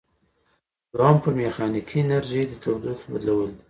دوهم په میخانیکي انرژي د تودوخې بدلول دي.